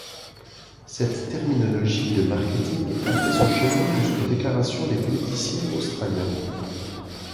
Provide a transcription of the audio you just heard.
Cette terminologie de marketing a fait son chemin jusqu'aux déclarations des politiciens Australiens.